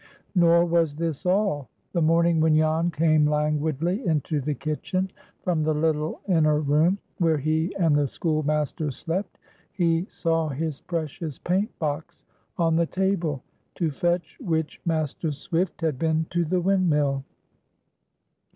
Nor was this all. The morning when Jan came languidly into the kitchen from the little inner room, where he and the schoolmaster slept, he saw his precious paint box on the table, to fetch which Master Swift had been to the windmill.